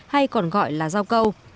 hay còn gọi là rau câu